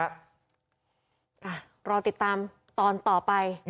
รอติดตามตอนต่อไป